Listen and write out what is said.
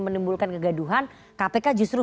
menimbulkan kegaduhan kpk justru